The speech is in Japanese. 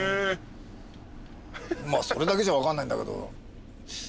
まあそれだけじゃ分かんないんだけど。